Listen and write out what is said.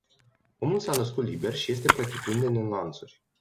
Omul s-a născut liber și este pretutindeni în lanțuri.